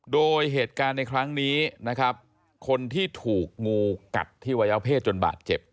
โดยเหตุการณ์ในครั้งนี้นะครับคนที่ถูกงูกัดที่วัยวะเพศจนบาดเจ็บ